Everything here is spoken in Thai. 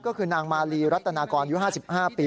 ก็คือนางมาลีรัตนากรอายุ๕๕ปี